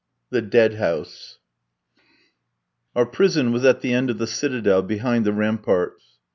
THE DEAD HOUSE Our prison was at the end of the citadel behind the ramparts.